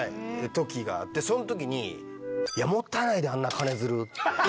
ときがあって、そのときに、いや、もったいないで、あんな金づるって。